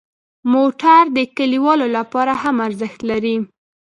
موټر د کلیوالو لپاره هم ارزښت لري.